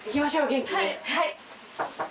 はい！